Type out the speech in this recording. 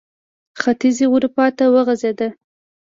ختیځې اروپا ته وغځېد.